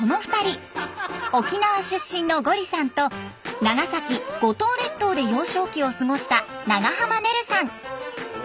沖縄出身のゴリさんと長崎五島列島で幼少期を過ごした長濱ねるさん。